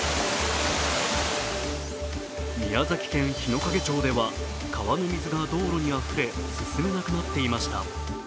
宮崎県日之影町では川の水が道路にあふれ、進めなくなっていました。